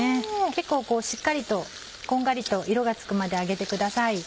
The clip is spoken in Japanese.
結構しっかりとこんがりと色がつくまで揚げてください。